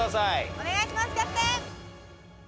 お願いしますキャプテン！